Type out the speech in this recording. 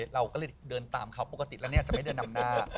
เราก็เลยเดินตามเขาปกติแล้วเนี่ยจะไม่เดินนำหน้า